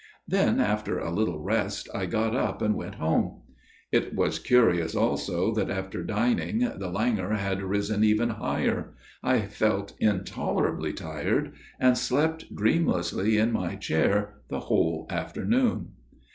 Then, after a little rest, I got up and went home. It was curious also that after dining the languor had risen even higher : I felt intolerably tired, and slept dreamlessly in my chair the whole afternoon.